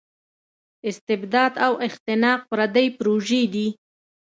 استبداد او اختناق پردۍ پروژې دي.